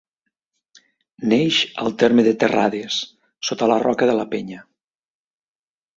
Neix al terme de Terrades, sota la roca de la Penya.